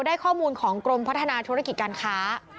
ได้ข้อมูลของกรมพัฒนาธุรกิจการค้า